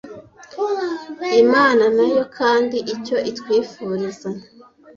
Imana nayo kandi icyo itwifuriza